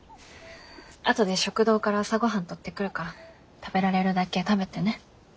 後で食堂から朝ごはん取ってくるから食べられるだけ食べてね。